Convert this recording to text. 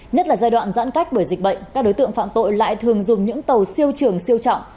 nhất là giai đoạn giãn cách bởi dịch bệnh các đối tượng phạm tội lại thường dùng những tàu siêu trường siêu trọng